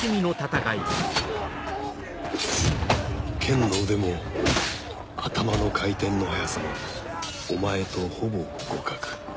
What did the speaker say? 剣の腕も頭の回転の速さもお前とほぼ互角。